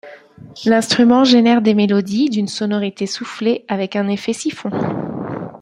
L'instrument génère des mélodies d'une sonorité soufflées avec un effet siphon.